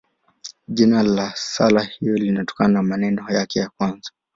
Jina la sala hiyo linatokana na maneno yake ya kwanza.